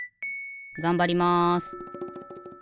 がんばります！